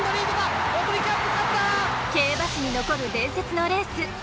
競馬史に残る伝説のレース